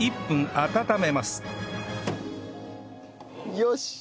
よし！